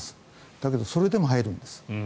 だけどそれでも入るんです。